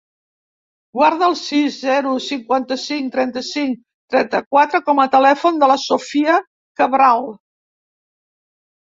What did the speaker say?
Guarda el sis, zero, cinquanta-cinc, trenta-cinc, trenta-quatre com a telèfon de la Sophia Cabral.